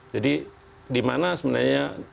jadi dimana sebenarnya